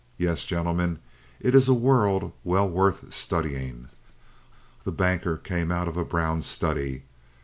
Yes, gentlemen, it is a world well worth studying." The Banker came out of a brown study.